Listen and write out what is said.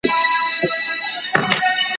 د جرګو ورته راتلله رپوټونه